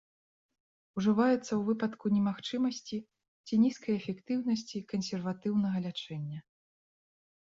Ужываецца ў выпадку немагчымасці ці нізкай эфектыўнасці кансерватыўнага лячэння.